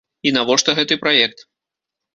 І навошта гэты праект?